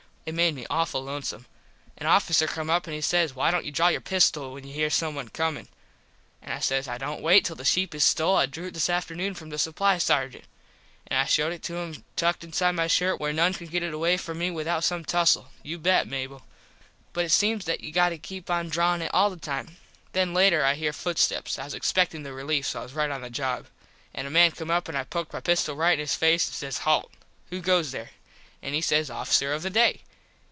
It made me awful lonesome. An officer come up and he says why dont you draw your pistol when you here someone comin. An I says I dont wait till the sheep is stole I drew it this afternoon from the Supply sargent. An I showed it to him tucked inside my shirt where noone could get it away from me without some tussel, you bet, Mable. But it seems that you got to keep on drawin it all the time. Then later I here footsteps. I was expectin the relief so I was right on the job. An a man come up and I poked my pistol right in his face an says Halt. Who goes there? And he says Officer of the day.